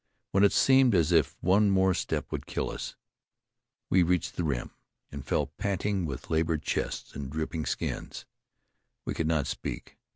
When it seemed as if one more step would kill us, we reached the rim, and fell panting with labored chests and dripping skins. We could not speak.